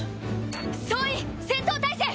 総員戦闘態勢！